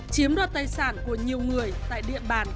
chiếm đoàn tài sản của nhiều người tại địa bàn các tỉnh hà nam